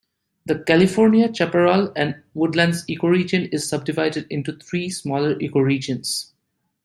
The California chaparral and woodlands ecoregion is subdivided into three smaller ecoregions.